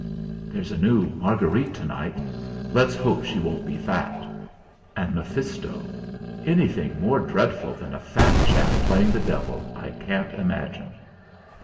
There's a new Marguerite to night; let's hope she won't be fat. And Mephisto anything more dreadful than a fat chap playing the Devil I can't imagine."